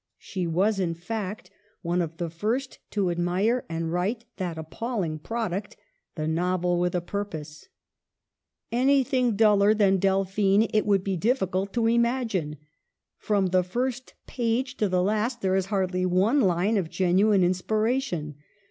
She was in fact one of the first I Digitized by VjOOQIC 220 MADAME DE STAEL. to admire and write that appalling product, the novel with a purpose. Anything duller than Delphine it would be difficult to imagine. From the first page to the last there is hardly one line of genuine inspira tion.